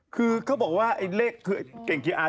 คือเขาบอกว่าไอ้เลขเก่งเกียร์อาร์